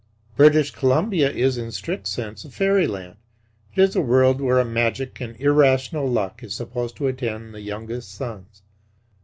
British Columbia is in strict sense a fairyland, it is a world where a magic and irrational luck is supposed to attend the youngest sons.